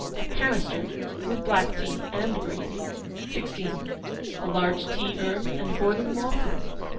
A canister with black tea and green. 16. A large tea urn and boiling water.